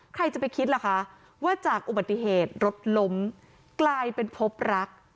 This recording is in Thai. ใครจะไปคิดล่ะคะว่าจากอุบัติเหตุรถล้มกลายเป็นพบรัก